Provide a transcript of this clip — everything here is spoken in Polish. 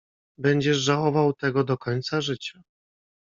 "Będziesz żałował tego do końca życia."